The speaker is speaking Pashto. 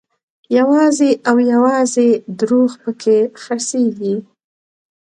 یوازې او یوازې درواغ په کې خرڅېږي.